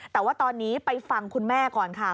แต่ว่าตอนนี้ไปฟังคุณแม่ก่อนค่ะ